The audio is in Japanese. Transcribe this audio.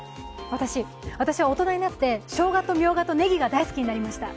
私は大人になって、しょうがとみょうがとねぎが大好きになりました。